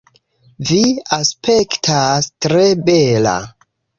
Vi aspektas tre bela